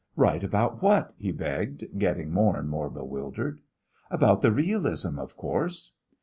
"Right about what?" he begged, getting more and more bewildered. "About the realism, of course."